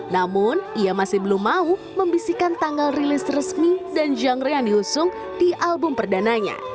namun ia masih belum mau membisikkan tanggal rilis resmi dan genre yang diusung di album perdananya